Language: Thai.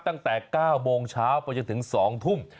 ตั้งแต่๙โมงเช้าไปจนถึง๒ทุ่ม